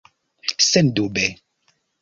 Sendube.